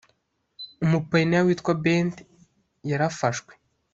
umupayiniya witwa bente yarafashwe.